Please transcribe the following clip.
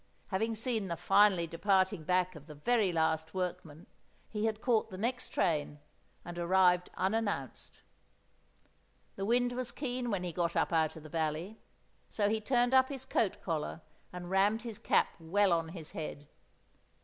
Having seen the finally departing back of the very last workman, he had caught the next train and arrived unannounced. The wind was keen when he got up out of the valley, so he turned up his coat collar and rammed his cap well on his head.